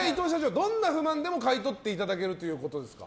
どんな不満でも買い取っていただけるということですか？